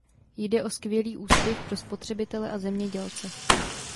Jde o skvělý úspěch pro spotřebitele a zemědělce.